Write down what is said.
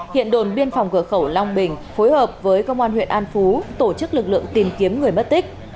hiện đồn biên phòng cửa khẩu long bình phối hợp với công an huyện an phú tổ chức lực lượng tìm kiếm người mất tích